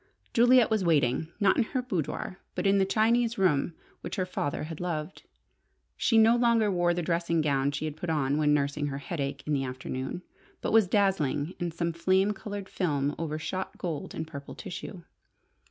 Juliet was waiting, not in her boudoir, but in the Chinese room which her father had loved. She no longer wore the dressing gown she had put on when nursing her headache in the afternoon, but was dazzling in some flame coloured film over shot gold and purple tissue.